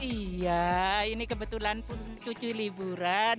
iya ini kebetulan cucu liburan